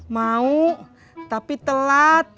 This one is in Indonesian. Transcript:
mau tapi telat